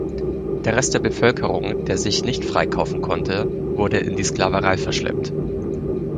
Der Rest der Bevölkerung, der sich nicht freikaufen konnte, wurde in die Sklaverei verschleppt.